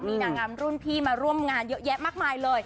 มีนางงามรุ่นพี่มาร่วมงานเยอะแยะมากมายเลย